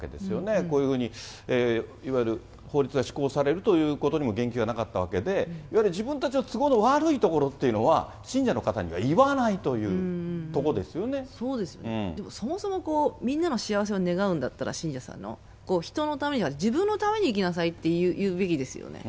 こういうふうにいわゆる法律が施行されるということにも言及がなかったわけで、いわゆる自分たちの都合の悪いところというのは信者の方には言わそうですよね、そもそも、みんなの幸せを願うんだったら、人のためじゃなくて、自分のために生きなさいと言うべきですよね。